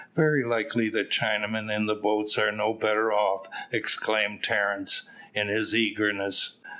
Very likely the Chinamen in the boats are no better off," exclaimed Terence, in his eagerness.